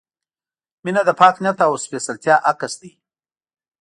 • مینه د پاک نیت او سپېڅلتیا عکس دی.